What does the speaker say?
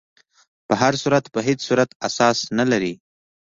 په هر صورت په هیڅ صورت اساس نه لري.